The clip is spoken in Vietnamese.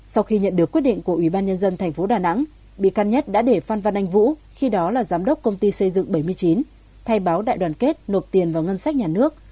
sau khi nhận được quyết định của ủy ban nhân dân tp đà nẵng bị căn nhất đã để phan văn anh vũ khi đó là giám đốc công ty xây dựng bảy mươi chín thay báo đại đoàn kết nộp tiền vào ngân sách nhà nước